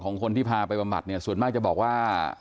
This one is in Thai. ของคนที่พาไปประบัติส่วนมากจะบอกว่า